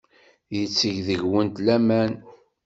Yetteg deg-went laman.